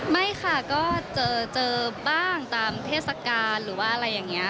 ไม่ค่ะก็เจอบ้างตามเทศกาลหรือว่าอะไรอย่างนี้